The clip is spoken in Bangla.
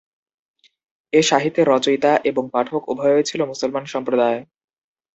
এ সাহিত্যের রচয়িতা এবং পাঠক উভয়ই ছিল মুসলমান সম্প্রদায়।